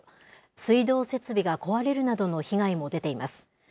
水道設備が壊れるなどの被害も出ています。